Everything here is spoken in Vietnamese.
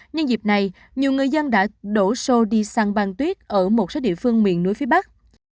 nhân dịp này nhiều người dân đã đổ xô đi săn băng tuyết ở một số địa phương miền núi phía bắc